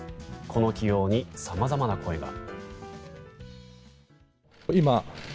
この起用にさまざまな声が。